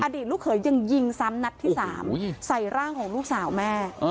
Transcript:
ลูกเขยยังยิงซ้ำนัดที่๓ใส่ร่างของลูกสาวแม่